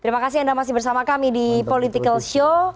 terima kasih anda masih bersama kami di political show